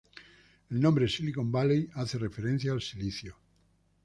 El Nombre "Silicon Valley" hace referencia al silicio.